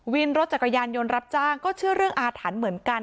วินรถจักรยานยนต์รับจ้างก็เชื่อเรื่องอาถรรพ์เหมือนกัน